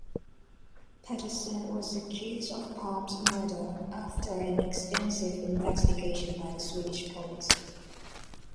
Pettersson was accused of Palme's murder after an extensive investigation by the Swedish police.